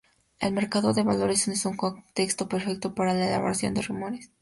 El mercado de valores es un contexto perfecto para la elaboración de rumores.